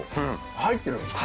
入ってるんですか？